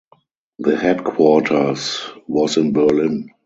The headquarters was in Berlin.